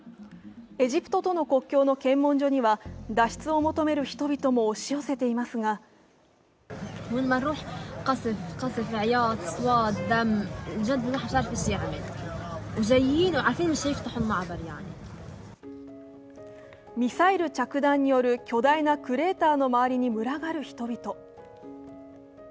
エジプトとの国境の検問所には脱出を求める人々も押し寄せていますがミサイル着弾による巨大なクレーターの周りに群がる人々。